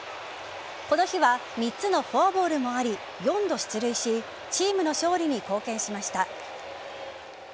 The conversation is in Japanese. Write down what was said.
この日は３つのフォアボールもあり４度出塁しチームの勝利に貢献しました。